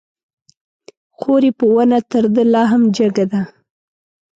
خور يې په ونه تر ده لا هم جګه ده